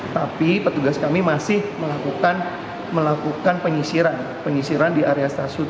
tapi petugas kami masih melakukan penyisiran penyisiran di area stasiun